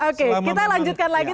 oke kita lanjutkan lagi